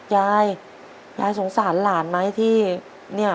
ยายยายสงสารหลานไหมที่